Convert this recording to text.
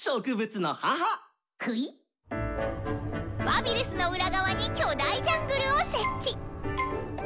バビルスの裏側に巨大ジャングルを設置！